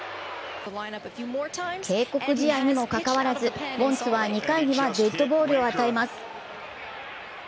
警告試合にもかかわらず、ウォンツは２回にはデッドボールを与えます。